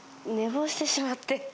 寝坊してしまって。